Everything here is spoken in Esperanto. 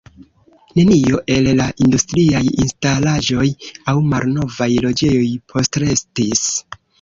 Nenio el la industriaj instalaĵoj aŭ malnovaj loĝejoj postrestis.